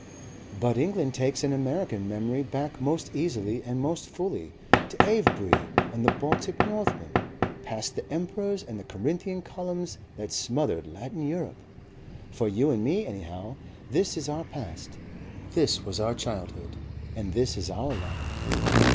"But England takes an American memory back most easily and most fully to Avebury and the Baltic Northmen, past the emperors and the Corinthian columns that smothered Latin Europe.... For you and me anyhow this is our past, this was our childhood, and this is our land."